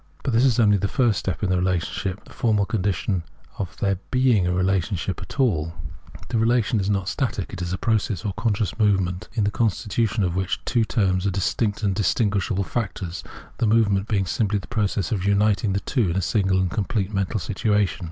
But this is only the first step in the relationship, the formal condition of there being any relationship at xviii Translator's Introduction all. The relation is not static ; it is a process or con scious movement, in the constitution of which the two terms are distinct and distinguishable factors, the movcf ment being simply the process of uniting the two in a single and complete mental situation.